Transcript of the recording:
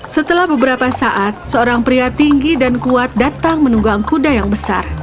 setelah beberapa saat seorang pria tinggi dan kuat datang menunggang kuda yang besar